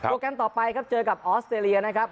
แกรมต่อไปครับเจอกับออสเตรเลียนะครับ